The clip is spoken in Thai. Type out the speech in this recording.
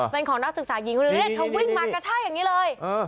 เป็นของนักศึกษาหญิงวิ่งมากระช่ายอย่างนี้เลย